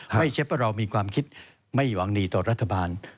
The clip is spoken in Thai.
ไม่ใช่ว่าเรามีความคิดไม่หวังดีต่อรัฐบาล